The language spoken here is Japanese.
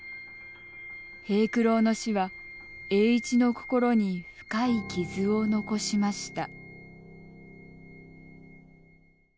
平九郎の死は栄一の心に深い傷を残しました。